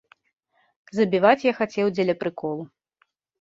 Забіваць я хацеў дзеля прыколу.